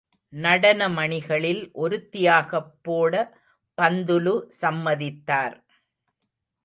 நடன மணிகளில் ஒருத்தியாகப் போட பந்துலு சம்மதித்தார்.